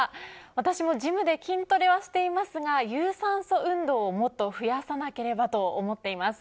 私もジムで筋トレはしていますが有酸素運動をもっと増やさなければと思っています。